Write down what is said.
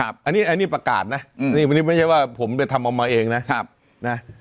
อันนี้ประกาศนะนี่วันนี้ไม่ใช่ว่าผมไปทำออกมาเองนะ